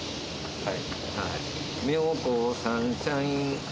はい。